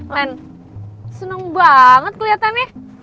len seneng banget keliatannya